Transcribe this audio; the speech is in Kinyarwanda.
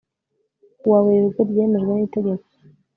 ku wa Werurwe ryemejwe n itegeko